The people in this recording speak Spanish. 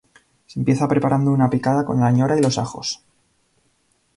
Se empieza preparando una picada con la ñora y los ajos.